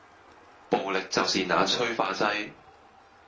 暴力就是那催化劑